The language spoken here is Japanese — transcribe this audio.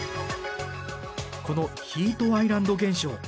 このヒートアイランド現象。